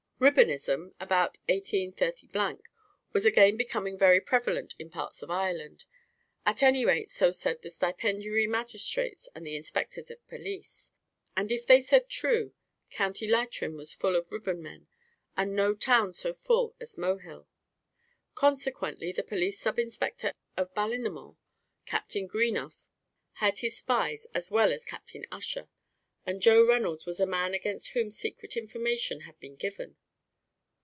Ribbonism, about 183 , was again becoming very prevalent in parts of Ireland, at any rate so said the stipendiary magistrates and the inspectors of police; and if they said true, County Leitrim was full of ribbonmen, and no town so full as Mohill. Consequently the police sub inspector at Ballinamore, Captain Greenough, had his spies as well as Captain Ussher, and Joe Reynolds was a man against whom secret information had been given.